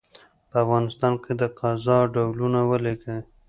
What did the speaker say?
په افغانستان کي د قضاء ډولونه ولیکئ؟